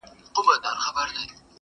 هغه کيسې د تباهيو، سوځېدلو کړلې!.